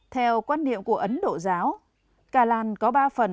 theo quan điểm của ấn độ giáo kalan có ba phần